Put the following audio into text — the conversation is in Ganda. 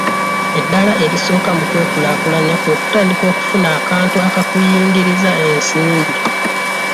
Eddaala erisooka mu kwekulaakulanya kwe kutandika okufuna akantu akakuyingiriza ensimbi.